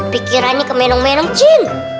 pikirannya kemenung menung cing